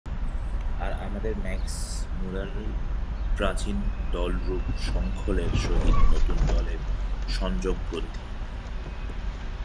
আর আমাদের ম্যাক্সমূলারই প্রাচীনদলরূপ শৃঙ্খলের সহিত নূতন দলের সংযোগগ্রন্থি।